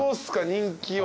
人気は。